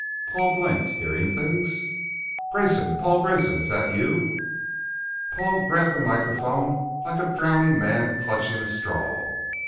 Paul blinked. Hearing things ? "Grayson! Paul Grayson! Is that you?" Paul grabbed the microphone like a drowning man clutching a straw.